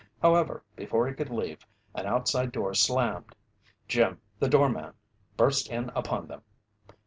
However, before he could leave, an outside door slammed. Jim, the doorman, burst in upon them.